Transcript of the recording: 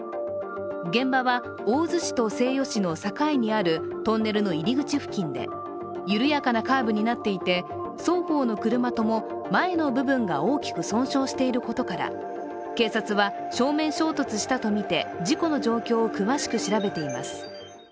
現場は、大洲市と西予市の境にあるトンネルの入り口付近で緩やかなカーブになっていて双方の車とも前の部分が大きく損傷していることから警察は、正面衝突したとみて事故の状況を詳しく調べています。